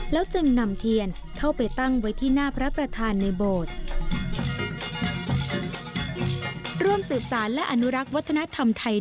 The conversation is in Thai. แล้วจึงนำเทียนเข้าไปตั้งไว้ที่หน้าพระประธานในโบสถ์